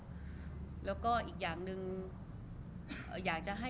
รูปนั้นผมก็เป็นคนถ่ายเองเคลียร์กับเรา